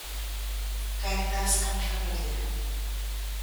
Cartas a mi familia".